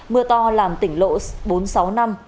mưa to làm tỉnh lộ bốn sáu năm